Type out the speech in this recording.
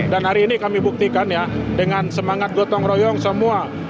dan hari ini kami buktikan ya dengan semangat gotong royong semua